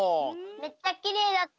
めっちゃキレイだった！